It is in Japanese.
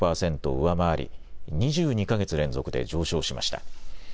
上回り２２か月連続で上昇しました。